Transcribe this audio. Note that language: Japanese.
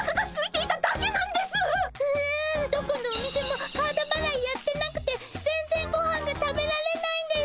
どこのお店もカードばらいやってなくて全然ごはんが食べられないんです。